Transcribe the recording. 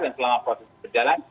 dan selama proses ini berjalan